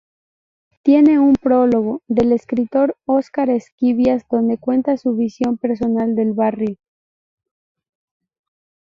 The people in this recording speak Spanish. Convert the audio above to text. Tiene un prólogo del escritor Oscar Esquivias donde cuenta su visión personal del barrio.